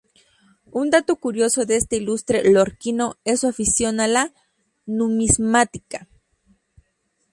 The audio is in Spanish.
Un dato curioso de este ilustre lorquino es su afición a la numismática.